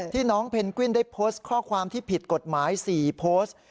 น้องเพนกวินได้โพสต์ข้อความที่ผิดกฎหมาย๔โพสต์